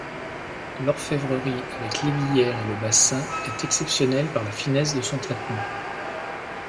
L'orfèvrerie avec l'aiguière et le bassin est exceptionnelle par la finesse de son traitement.